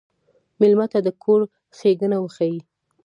مېلمه ته د کور ښيګڼه وښیه.